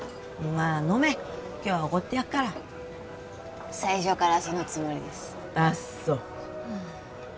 まあ飲め今日はおごってやっから最初からそのつもりですあっそ